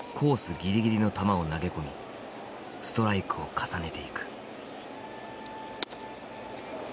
ぎりぎりの球を投げ込みストライクを重ねていく。